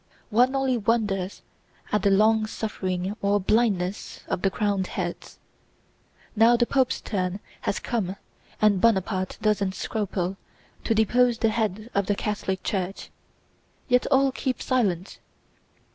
"One only wonders at the long suffering or blindness of the crowned heads. Now the Pope's turn has come and Bonaparte doesn't scruple to depose the head of the Catholic Church—yet all keep silent!